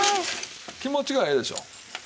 気持ちがええでしょう。